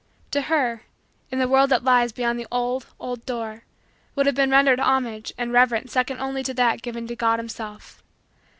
To her, in the world that lies beyond the old, old, door, would have been rendered homage and reverence second only to that given to God Himself.